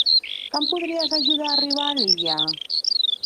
Que em podries ajudar a arribar a l'illa?